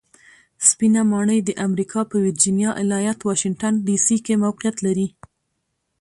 سپینه ماڼۍ د امریکا په ویرجینیا ایالت واشنګټن ډي سي کې موقیعت لري.